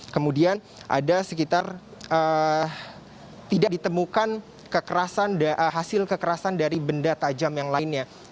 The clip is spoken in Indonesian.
kemudian ada sekitar tidak ditemukan hasil kekerasan dari benda tajam yang lainnya